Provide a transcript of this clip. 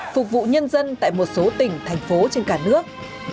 phục vụ nhân dân tại một số tỉnh thành phố trên cả nước